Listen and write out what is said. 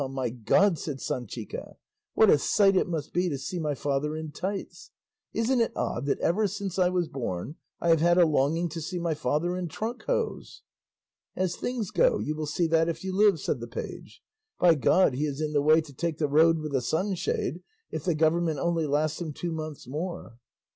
my God!" said Sanchica, "what a sight it must be to see my father in tights! Isn't it odd that ever since I was born I have had a longing to see my father in trunk hose?" "As things go you will see that if you live," said the page; "by God he is in the way to take the road with a sunshade if the government only lasts him two months more."